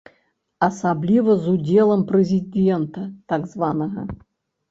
Асабліва з удзелам прэзідэнта так званага.